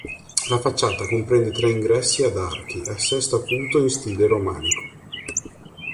La facciata comprende tre ingressi ad archi a sesto acuto in stile romanico.